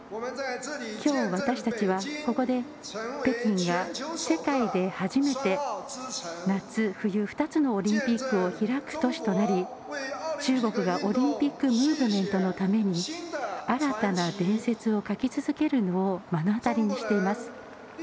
きょう、私たちはここで北京が世界で初めて夏、冬、２つのオリンピックを開く都市となり中国がオリンピックムーブメントのために新たな伝説を書き続けるのを目の当たりにしています。